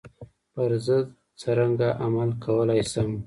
پر ضد څرنګه عمل کولای شم.